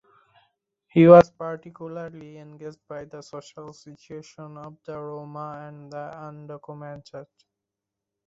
He was particularly engaged by the social situation of the Roma and the undocumented.